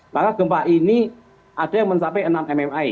maka gempa ini ada yang mencapai enam mmi